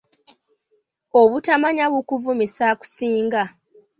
Obutamanya bukuvumisa akusinga.